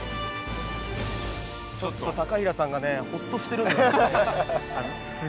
ちょっと平さんがねホッとしてるんですよね。